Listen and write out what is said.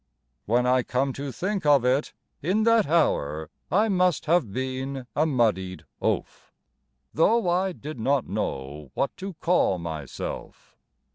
When I come to think of it, In that hour I must have been a Muddied Oaf, Though I did not know what to call myself.